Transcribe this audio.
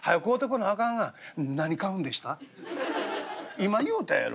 「今言うたやろ？